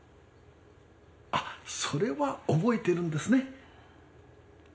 あっそれは覚えてるんですね？